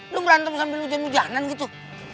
lu berantem sambil hujan hujanan gitu